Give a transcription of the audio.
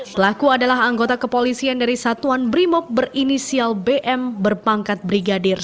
pelaku adalah anggota kepolisian dari satuan brimob berinisial bm berpangkat brigadir